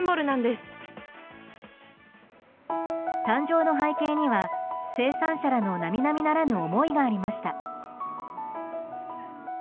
誕生の背景には生産者らの並々ならぬ思いがありました。